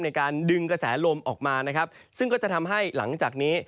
ในการดึงกระแสลมออกมานะครับซึ่งก็จะทำให้หลังจากนี้